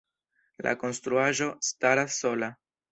La konstruaĵo staras sola.